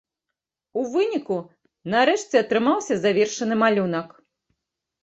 У выніку, нарэшце атрымаўся завершаны малюнак.